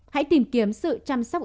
hãy tìm kiếm sự chăm sóc